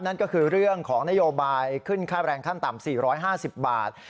นั่นก็คือเรื่องของนโยบายขึ้นค่าแรงขั้นต่ำ๔๕๐บาท